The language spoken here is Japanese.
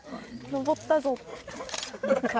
登ったぞ。